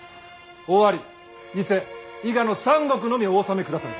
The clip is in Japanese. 尾張伊勢伊賀の三国のみお治めくだされ。